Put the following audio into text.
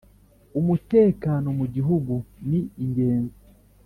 umutekano mu gihugu ni ingenzi